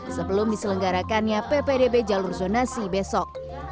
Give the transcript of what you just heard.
sebelum diselenggarakannya ppdb jalur zonasi besok